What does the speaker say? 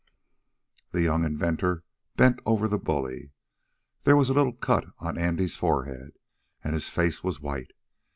The young inventor bent over the bully. There was a little cut on Andy's forehead, and his face was white.